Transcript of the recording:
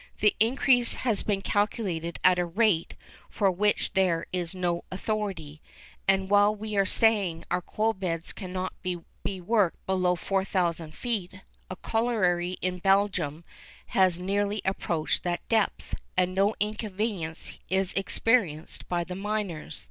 The increase has been calculated at a rate for which there is no authority; and while we are saying our coal beds cannot be worked below 4,000 feet, a colliery in Belgium has nearly approached that depth, and no inconvenience is experienced by the miners.